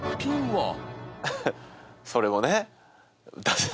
それもね。